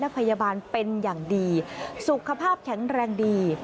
และพยาบาลเป็นอย่างดีสุขภาพแข็งแรงดี